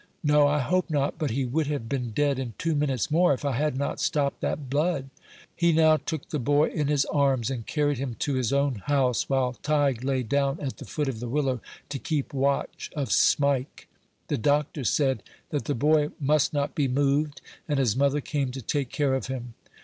"No; I hope not; but he would have been dead in two minutes more, if I had not stopped that blood." He now took the boy in his arms, and carried him to his own house, while Tige lay down at the foot of the willow to keep watch of Smike. The doctor said that the boy must not be moved; and his mother came to take care of him.